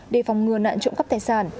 đề phòng ngừa nạn trụng cấp tài sản